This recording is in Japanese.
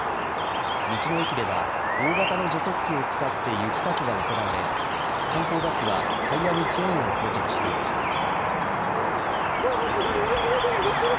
道の駅では大型の除雪機を使って雪かきが行われ観光バスはタイヤにチェーンを装着していました。